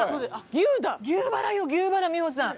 牛バラよ牛バラ美穂さん！